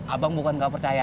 abang bukan nggak percaya